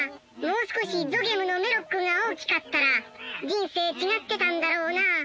もう少しゾゲムのメロックが大きかったら人生違ってたんだろうなあ。